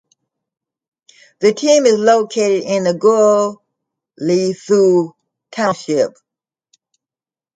The team is located in the Gugulethu township.